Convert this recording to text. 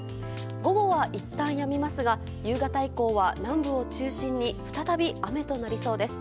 午後はいったんやみますが夕方以降は南部を中心に再び雨となりそうです。